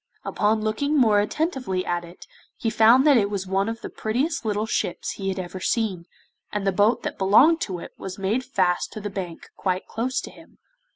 Upon looking more attentively at it he found that it was one of the prettiest little ships he had ever seen, and the boat that belonged to it was made fast to the bank quite close to him.